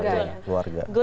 iya betul kalau betul